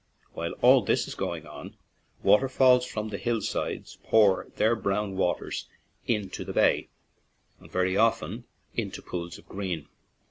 While all this is going on, water falls from the hillsides pour their brown waters into the bay and very often into pools of green.